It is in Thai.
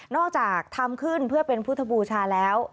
จากทำขึ้นเพื่อเป็นพุทธบูชาแล้ว